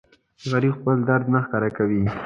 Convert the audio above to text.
غریب خپل درد نه ښکاره کوي